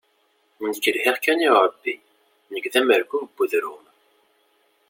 Nekk lhiɣ kan i uɛebbi, nekk d amerkub n udrum.